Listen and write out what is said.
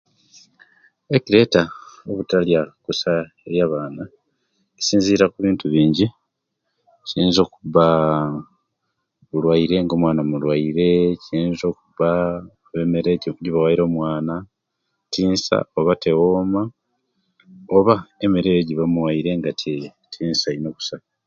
Ekireta obutalya kusa eri abaana kisinzira kubintu binji kiyinzaaa okuba buluwaire nga omwana muluwaire, kiyinza okuba emere ejibawaire omwana tinsa oba tewoma oba emere eyo ejibamuwaire nga tinsa ino kusa